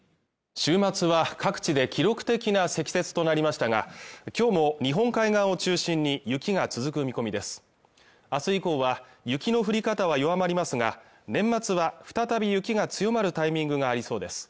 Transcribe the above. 週末は各地で記録的な積雪となりましたが今日も日本海側を中心に雪が続く見込みです明日以降は雪の降り方は弱まりますが年末は再び雪が強まるタイミングがありそうです